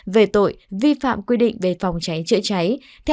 về tội vi phạm quy định về phòng cháy chữa cháy